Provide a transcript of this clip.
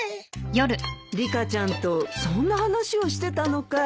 リカちゃんとそんな話をしてたのかい。